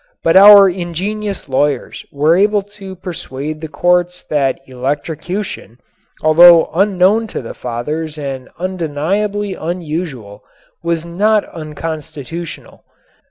But our ingenious lawyers were able to persuade the courts that electrocution, though unknown to the Fathers and undeniably "unusual," was not unconstitutional.